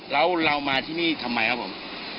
แล้วเรามาที่นี่ทำไมครับผม